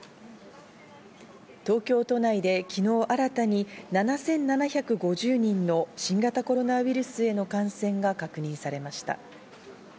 東京都内で昨日新たに、７７５０人の新型コロナウイルスへの感染が確認されました。